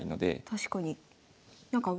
確かに。